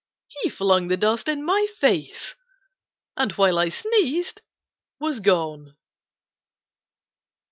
he flung the dust in my face, And, while I sneezed, Was gone!